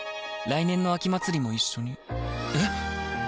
来年の秋祭も一緒にえ